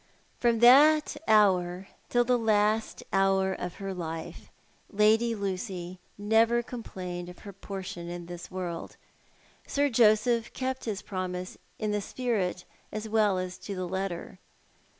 From that hour till the last hour of her life Lady Lucy never complained of her portion in this world. Sir Joseph kept his promise in the spirit as well as to the letter.